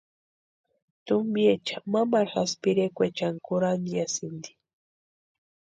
Tumpiecha mamaru jásï pirekwaechani kurhantiasïnti.